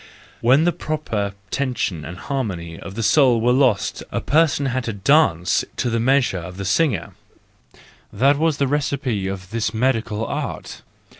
When the proper tension and harmony of the soul were lost a person had to dance to the measure of the singer,—that was the recipe of this medical art.